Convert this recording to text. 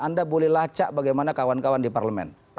anda boleh lacak bagaimana kawan kawan di parlemen